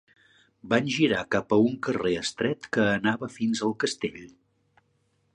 Van girar cap a un carrer estret que anava fins al castell.